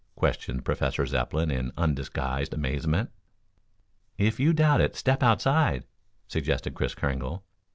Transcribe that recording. questioned Professor Zepplin in undisguised amazement. "If you doubt it step outside," suggested Kris Kringle.